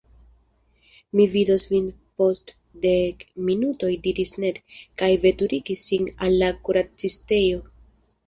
Mi vidos vin post dek minutoj diris Ned, kaj veturigis sin al la kuracistejo.